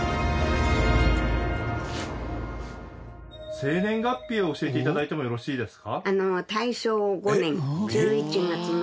生年月日を教えて頂いてもよろしいですか？